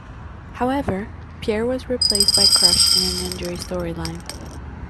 However, Pierre was replaced by Crush in an injury storyline.